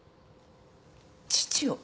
父を？